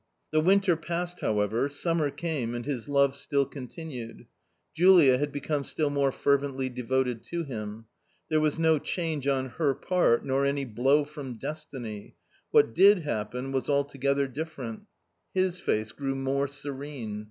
The winter passed however, summer came, and his love still continued. Julia had become still more fervently de voted to him. There was no change on her part nor any blow from destiny ; what did happen was altogether differ ent His face grew more serene.